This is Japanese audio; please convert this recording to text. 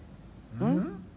うん？